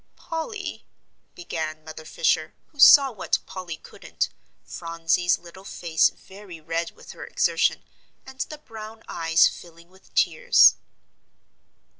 "Polly," began Mother Fisher, who saw what Polly couldn't, Phronsie's little face very red with her exertion, and the brown eyes filling with tears.